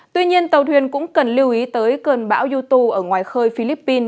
tuy nhiên tàu thuyền cũng cần lưu ý tới cơn bão yutu ở ngoài khơi philippines